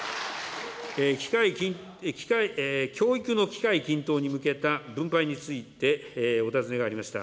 教育の機会均等に向けた分配についてお尋ねがありました。